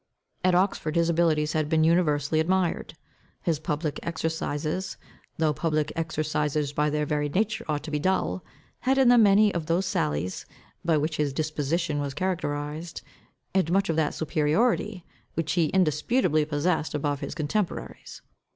At Oxford his abilities had been universally admired. His public exercises, though public exercises by their very nature ought to be dull, had in them many of those sallies, by which his disposition was characterised, and much of that superiority, which he indisputably possessed above his contemporaries.